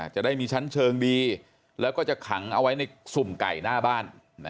จะได้มีชั้นเชิงดีแล้วก็จะขังเอาไว้ในสุ่มไก่หน้าบ้าน